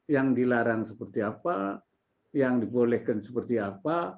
yang dilarang seperti apa yang dibolehkan seperti apa